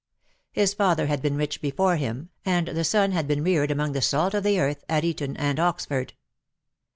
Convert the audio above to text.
His father had been rich before him, and the son had been reared among the sah of the earth, at Eton and Oxford.